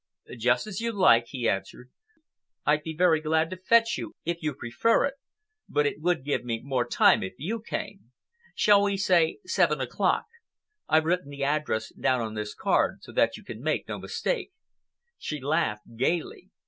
"Just as you like," he answered. "I'd be very glad to fetch you if you prefer it, but it would give me more time if you came. Shall we say seven o'clock? I've written the address down on this card so that you can make no mistake." She laughed gayly.